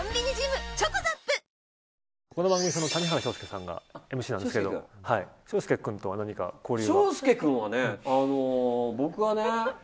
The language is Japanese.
この番組谷原章介さんがＭＣなんですけど章介君とは何か交流が。